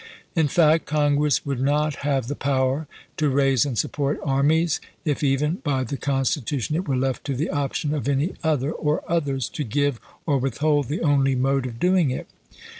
In fact, Congress would not have the power to raise and support armies, if even by the Constitution it were left to the option of any other, or others, to give or withhold the only mode of doing it.